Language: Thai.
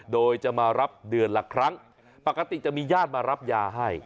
โดยจะมารับเดือนละครั้งปกติจะมีญาติมารับยาให้